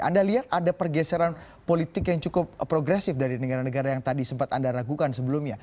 anda lihat ada pergeseran politik yang cukup progresif dari negara negara yang tadi sempat anda ragukan sebelumnya